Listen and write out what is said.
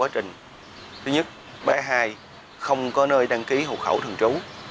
thứ nhất bé hai không có nơi đăng ký hộ khẩu thường trú